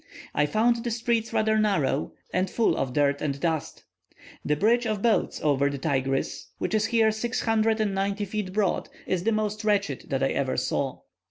I found the streets rather narrow, and full of dirt and dust. The bridge of boats over the Tigris, which is here 690 feet broad, is the most wretched that I ever saw.